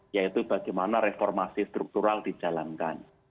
yaitu bagaimana reformasi struktural dijalankan